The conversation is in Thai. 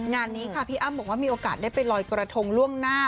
งานนี้ค่ะพี่อ้ำบอกว่ามีโอกาสได้ไปลอยกระทงล่วงหน้า